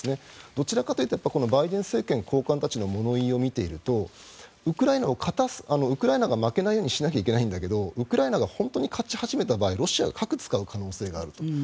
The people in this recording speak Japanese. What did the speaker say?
どちらかというとバイデン政権高官たちの物言いを見ているとウクライナが負けないようにしなきゃいけないんだけどウクライナが本当に勝ち始めた場合ロシアが核を使う可能性があると。